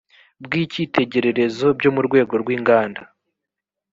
bw icyitegererezo byo mu rwego rw inganda